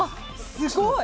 すごい！